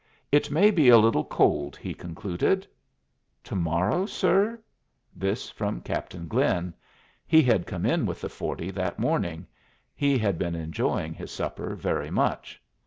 "It may be a little cold," he concluded. "To morrow, sir?" This from Captain Glynn. He had come in with the forty that morning. He had been enjoying his supper very much.